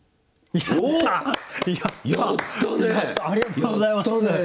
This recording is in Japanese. ありがとうございます。